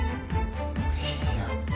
いや。